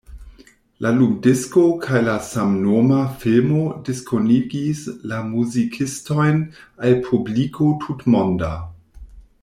La lumdisko kaj la samnoma filmo diskonigis la muzikistojn al publiko tutmonda.